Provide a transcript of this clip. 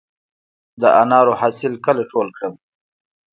د انارو حاصل کله ټول کړم؟